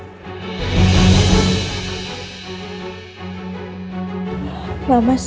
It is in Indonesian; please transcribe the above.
sus jagain ya sus